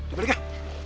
di beli kah